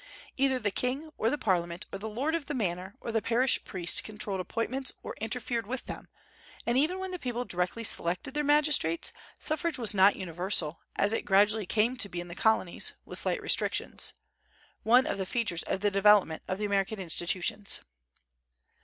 Either the king, or the Parliament, or the lord of the manor, or the parish priest controlled appointments or interfered with them, and even when the people directly selected their magistrates, suffrage was not universal, as it gradually came to be in the Colonies, with slight restrictions, one of the features of the development of American institutions.